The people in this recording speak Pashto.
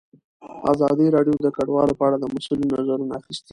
ازادي راډیو د کډوال په اړه د مسؤلینو نظرونه اخیستي.